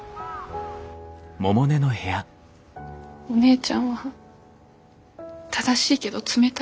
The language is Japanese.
お姉ちゃんは正しいけど冷たいよ。